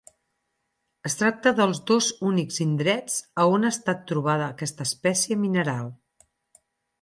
Es tracta dels dos únics indrets a on ha estat trobada aquesta espècie mineral.